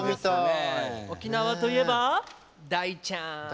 沖縄といえば大ちゃん。